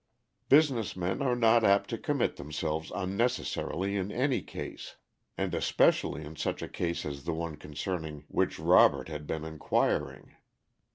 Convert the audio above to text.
Business men are not apt to commit themselves unnecessarily in any case, and especially in such a case as the one concerning which Robert had been inquiring.